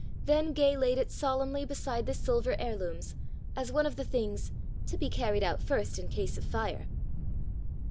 Then Gay laid it solemnly beside the silver heirlooms as one of the things "to be carried out first in case of fire."